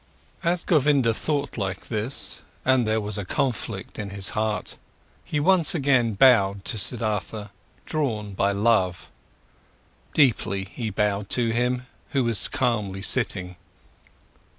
As Govinda thought like this, and there was a conflict in his heart, he once again bowed to Siddhartha, drawn by love. Deeply he bowed to him who was calmly sitting.